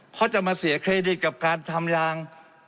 เพราะจะมาเสียเครดิตกับการทำลาง